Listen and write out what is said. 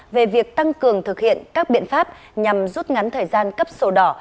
về việc tăng cường thực hiện các biện pháp nhằm rút ngắn thời gian cấp sổ đỏ